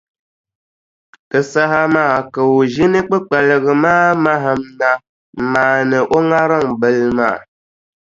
Di saha maa ka o ʒini kpukpaliga maa mahim na m-maani o ŋariŋ bila.